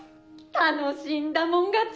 楽しんだもん勝ち！